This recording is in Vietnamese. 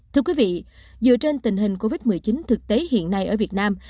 thưa quý vị dựa trên tình hình covid một mươi chín thực tế hiện nay ở việt nam